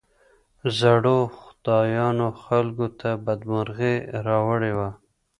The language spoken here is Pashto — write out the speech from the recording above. زړو خدايانو خلګو ته بدمرغي راوړې وه.